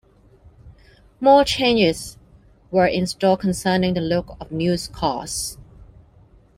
More changes were in store concerning the look of the newscasts.